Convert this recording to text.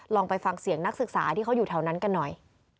ลองไปฟังเสียงนักศึกษาที่เขาอยู่แถวนั้นกันหน่อย